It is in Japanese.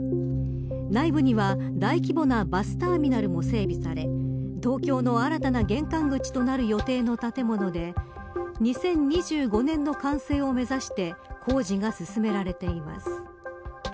内部には大規模なバスターミナルも整備され東京の新たな玄関口となる予定の建物で２０２５年の完成を目指して工事が進められています。